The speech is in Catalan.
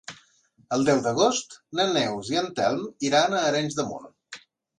El deu d'agost na Neus i en Telm iran a Arenys de Munt.